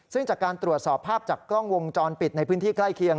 ซึ่งจากการตรวจสอบภาพจากกล้องวงจรปิดในพื้นที่ใกล้เคียง